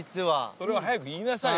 それは早く言いなさいよ